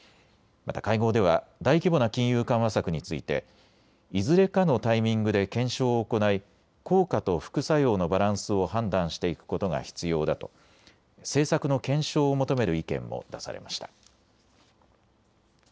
また会合では大規模な金融緩和策についていずれかのタイミングで検証を行い、効果と副作用のバランスを判断していくことが必要だと政策の検証を求める意見も出されました。